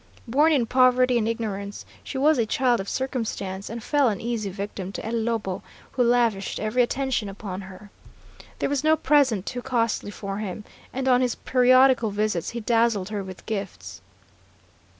Born in poverty and ignorance, she was a child of circumstance, and fell an easy victim to El Lobo, who lavished every attention upon her. There was no present too costly for him, and on his periodical visits he dazzled her with gifts.